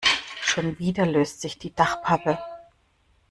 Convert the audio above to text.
Schon wieder löst sich die Dachpappe.